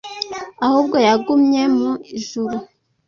ahubwo yagumye mu ijuru.